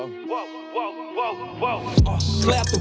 ว้าวว้าวว้าว